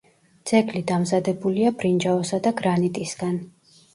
ძეგლი დამზადებულია ბრინჯაოსა და გრანიტისგან.